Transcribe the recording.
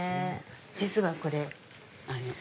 実はこれ。